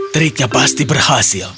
triknya pasti berhasil